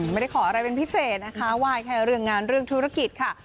ไม่ได้ขออะไรเป็นพิเศษนะคะไหว้แค่เรื่องงานเรื่องธุรกิจค่ะ